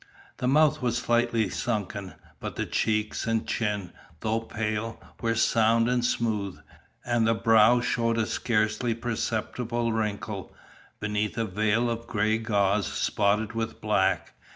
The mouth was slightly sunken, but the cheeks and chin, though pale, were sound and smooth, and the brow showed a scarcely perceptible wrinkle, beneath a veil of gray gauze spotted with black.